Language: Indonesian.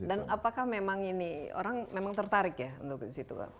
dan apakah memang ini orang memang tertarik ya untuk ke situ pak